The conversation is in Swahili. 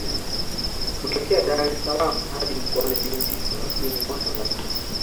Kutokea Dar es salaam hadi mkoani Lindi kusini mwa Tanzania